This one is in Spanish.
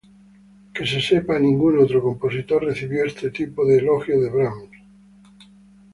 Que se sepa, ningún otro compositor recibió este tipo de elogio de Brahms.